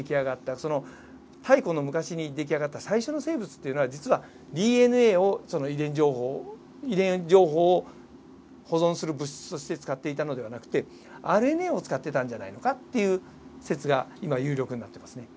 その太古の昔に出来上がった最初の生物っていうのは実はＤＮＡをその遺伝情報を保存する物質として使っていたのではなくてＲＮＡを使ってたんじゃないのかっていう説が今有力になってますね。